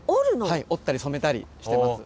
はい織ったり染めたりしてます。